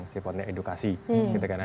sepertinya edukasi gitu kan